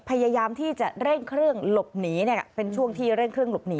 พยายามที่จะเร่งเครื่องหลบหนีเป็นช่วงที่เร่งเครื่องหลบหนี